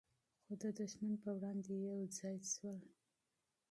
خو د دښمن په وړاندې یو ځای سول.